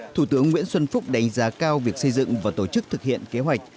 thủ tướng nguyễn xuân phúc đánh giá cao việc xây dựng và tổ chức thực hiện kế hoạch